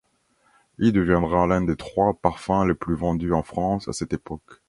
Il deviendra l'un des trois parfums les plus vendus en France à cette époque.